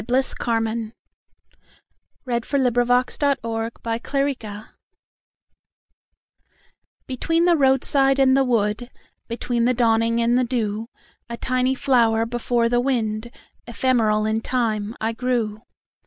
Bliss Carman 1861–1929 A Windflower Carman B BETWEEN the roadside and the wood, Between the dawning and the dew,A tiny flower before the wind, Ephemeral in time, I grew.